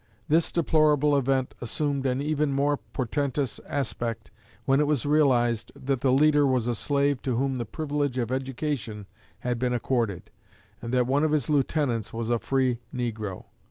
This deplorable event assumed an even more portentous aspect when it was realized that the leader was a slave to whom the privilege of education had been accorded, and that one of his lieutenants was a free negro.